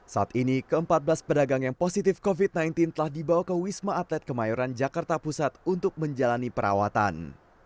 saat ini ke empat belas pedagang yang positif covid sembilan belas telah dibawa ke wisma atlet kemayoran jakarta pusat untuk menjalani perawatan